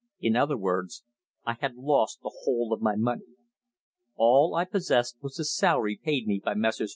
In other words, I had lost the whole of my money! All I possessed was the salary paid me by Messrs.